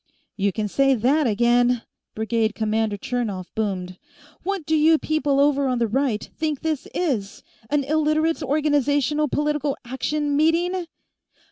"You can say that again!" Brigade commander Chernov boomed. "What do you people over on the right think this is; an Illiterates' Organization Political Action meeting?"